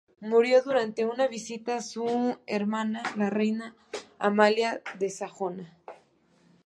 Murió durante una visita a su hermana, la reina Amalia de Sajonia.